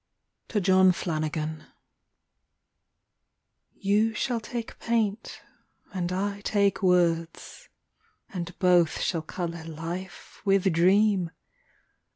THE FLAME. To John Flanagan, V/OU shall take paint and I take words, •■■ And both shall colour life with dream.